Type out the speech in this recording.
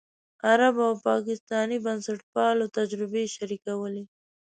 عربو او پاکستاني بنسټپالو تجربې شریکولې.